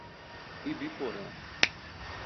Ibiporã